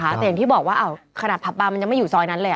แต่เห็นที่บอกว่าขนาดพักป๋ามันจะไม่อยู่ซอยนั้นเลยอะ